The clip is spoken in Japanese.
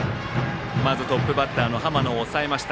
まずトップバッターの浜野を抑えました。